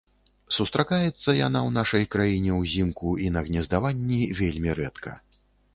Сустракаецца яна ў нашай краіне ўзімку і на гнездаванні вельмі рэдка.